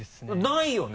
ないよね？